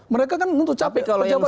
mereka kan untuk capai pejabat kpk